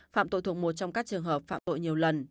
phạm tội thuộc một trong các trường hợp phạm tội nhiều lần